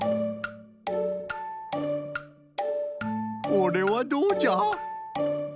これはどうじゃ？